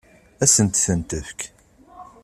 Ad sent-ten-tefk?